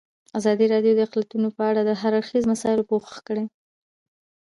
ازادي راډیو د اقلیتونه په اړه د هر اړخیزو مسایلو پوښښ کړی.